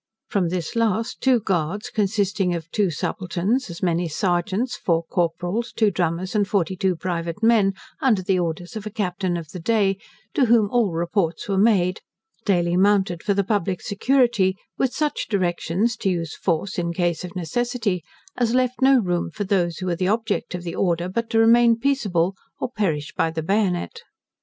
From this last two guards, consisting of two subalterns, as many serjeants, four corporals, two drummers, and forty two private men, under the orders of a Captain of the day, to whom all reports were made, daily mounted for the public security, with such directions to use force, in case of necessity, as left no room for those who were the object of the order, but to remain peaceable, or perish by the bayonet.